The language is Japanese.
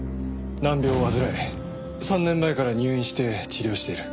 難病を患い３年前から入院して治療している。